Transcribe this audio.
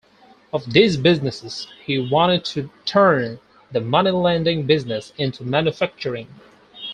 Of these businesses, he wanted to turn the moneylending business into manufacturing.